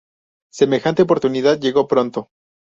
Semejante oportunidad llegó pronto.